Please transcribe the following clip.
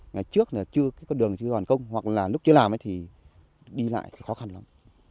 ngày trước là chưa có đường chưa có hoàn công hoặc là lúc chưa làm thì đi lại thì khó khăn